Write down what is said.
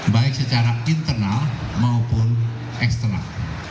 baik secara internal maupun eksternal